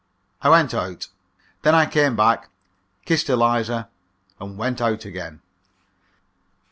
I went out. Then I came back, kissed Eliza, and went out again.